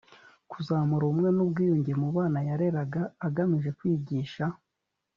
kuzamura ubumwe n ubwiyunge mu bana yareraga agamije kwigisha